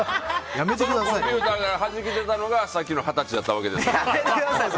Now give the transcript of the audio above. コンピューターではじき出たのがさっきの二十歳だったんですね。